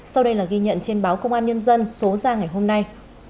sau đây là ghi nhận trên báo công an nhân dân số ra ngày hôm nay